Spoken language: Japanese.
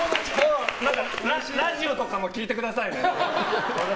ラジオとかも聞いてくださいね。